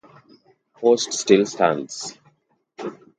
Post still stands.